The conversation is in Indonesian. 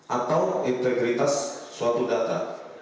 atau integritas suatu data